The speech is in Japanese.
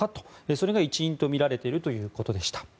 それが一因とみられているということでした。